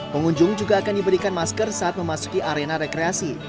pengunjung juga akan diberikan masker saat memasuki arena rekreasi